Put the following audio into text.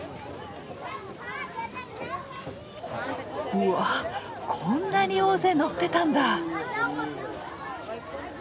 うわこんなに大勢乗ってたんだ！